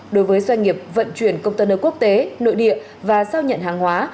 đối với doanh nghiệp vận chuyển công tân ở quốc tế nội địa và sau nhận hàng hóa